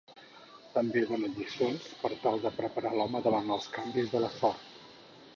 També dóna lliçons per tal de preparar l'home davant els canvis de la sort.